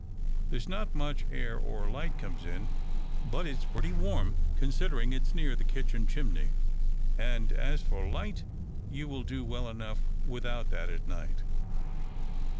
There's not much air or light comes in, but it's pretty warm, considering it's near the kitchen chimney; and as for light, you will do well enough without that at night."